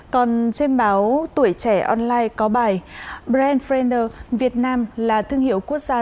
còn trên báo tuổi trẻ online có bài brand frener việt nam là thương hiệu quốc gia